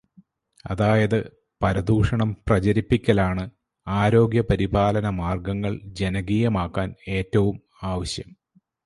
അതായത്, പരദൂഷണം പ്രചരിപ്പിക്കലാണ് ആരോഗ്യപരിപാലനമാർഗങ്ങൾ ജനകീയമാക്കാൻ ഏറ്റവും ആവശ്യം!